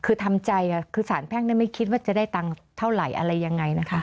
คือทำใจคือสารแพ่งไม่คิดว่าจะได้ตังค์เท่าไหร่อะไรยังไงนะคะ